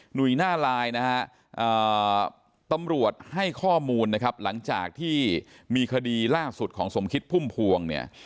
ุยหน้าลายนะฮะตำรวจให้ข้อมูลนะครับหลังจากที่มีคดีล่าสุดของสมคิดพุ่มพวงเนี่ย